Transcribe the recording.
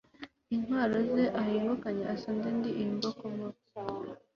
intwaro ze ahigukanye asanze ndi imbokoboko